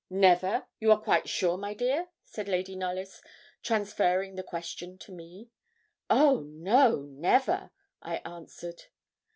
'Never, you are quite sure, my dear?' said Lady Knollys, transferring the question to me. 'Oh, no, never,' I answered.